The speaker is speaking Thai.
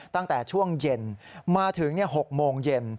ตั้งแต่ช่วงเย็นมาถึง๖โมงเย็น